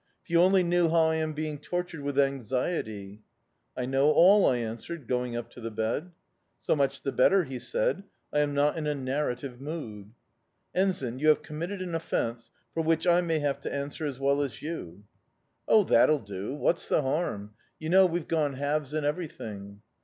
If you only knew how I am being tortured with anxiety.' "'I know all,' I answered, going up to the bed. "'So much the better,' he said. 'I am not in a narrative mood.' "'Ensign, you have committed an offence for which I may have to answer as well as you.' "'Oh, that'll do. What's the harm? You know, we've gone halves in everything.